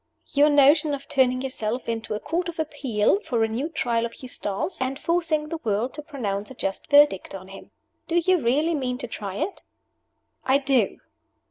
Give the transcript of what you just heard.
"Your notion of turning yourself into a Court of Appeal for a new Trial of Eustace, and forcing the world to pronounce a just verdict on him. Do you really mean to try it?" "I do!"